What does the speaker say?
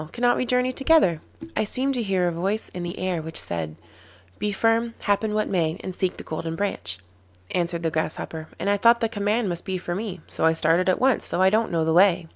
Cannot we journey together?' 'I seemed to hear a voice in the air which said: "Be firm, happen what may, and seek the Golden Branch,"' answered the Grasshopper, 'and I thought the command must be for me, so I started at once, though I don't know the way.